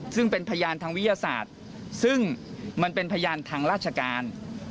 ซึ่งเป็นพยานทางวิทยาศาสตร์ซึ่งมันเป็นพยานทางราชการ